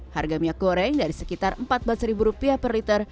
harga minyak goreng dari sekitar rp empat belas per liter